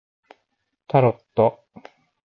タロット